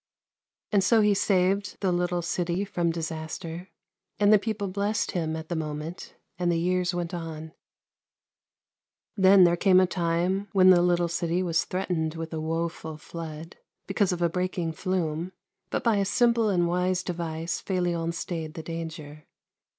And so he saved the little city from disaster, and the people blessed him at the moment ; and the years went on. THERE WAS A LITTLE CITY 337 Then there came a time when the Httle city was threatened with a woeful flood, because of a breaking flume ; but by a simple and wise device Felion stayed the danger.